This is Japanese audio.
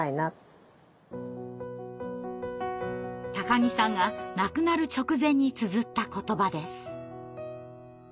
木さんが亡くなる直前につづった言葉です。